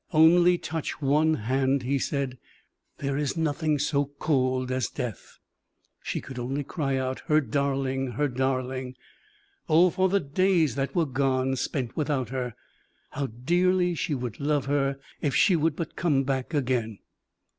"Only touch one hand," he said; "there is nothing so cold as death." She could only cry out, "her darling! her darling!" Oh, for the days that were gone spent without her! How dearly she would love her if she would but come back again!